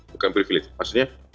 bukan privilege maksudnya